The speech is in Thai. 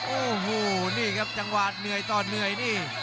โอ้โหนี่ครับจังหวะเหนื่อยต่อเหนื่อยนี่